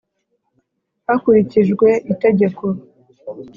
Hakurikijwe itegeko